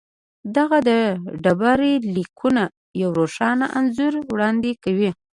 دغه ډبرلیکونه یو روښانه انځور وړاندې کوي.